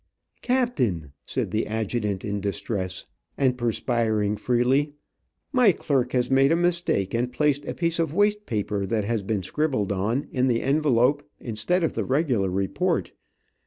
"Captain," said the adjutant in distress, and perspiring freely, "my clerk has made a mistake, and placed a piece of waste paper that has been scribbled on, in the envelope, instead of the regular report.